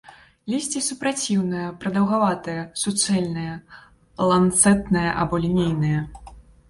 Лісце супраціўнае, прадаўгаватае, суцэльнае, ланцэтнае або лінейнае.